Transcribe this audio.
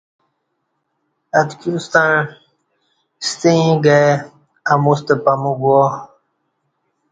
اتکیوستݩع ستہ ایں گائ اموستہ پامو گُووا